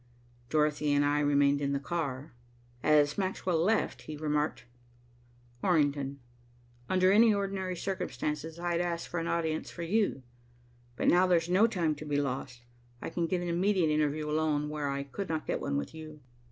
Dorothy and I remained in the car. As Maxwell left, he remarked, "Orrington, under any ordinary circumstances, I'd ask for an audience for you, but now there's no time to be lost. I can get an immediate interview alone, where I could not get one with you."